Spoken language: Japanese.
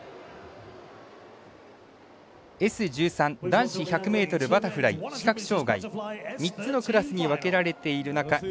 男子１００ｍバタフライ視覚障がい３つのクラスに分けられている中